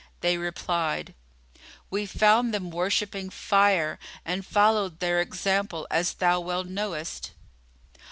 They replied, "We found them worshipping Fire and followed their example, as thou well knowest."